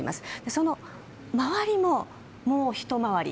その周りも、もうひと周り